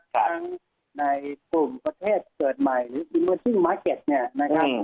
ทั้งในกลุ่มประเทศเกิดใหม่หรืออิมเมอร์ซิ่งมาร์เก็ตเนี่ยนะครับ